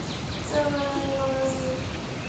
Edwards is in a favorable location for skiers and riders.